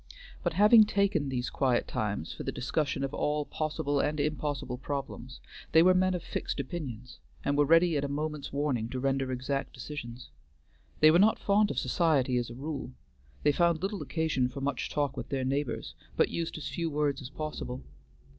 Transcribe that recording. But, having taken these quiet times for the discussion of all possible and impossible problems, they were men of fixed opinions, and were ready at a moment's warning to render exact decisions. They were not fond of society as a rule; they found little occasion for much talk with their neighbors, but used as few words as possible.